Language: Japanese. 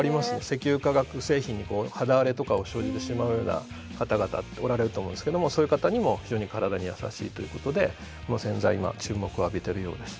石油化学製品にこう肌荒れとかを生じてしまうような方々おられると思うんですけどもそういう方にも非常に体に優しいということでこの洗剤今注目を浴びてるようです。